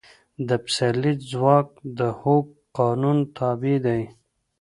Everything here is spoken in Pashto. د پسرلي ځواک د هوک قانون تابع دی.